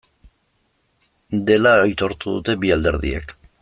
Dela aitortu dute bi alderdiek.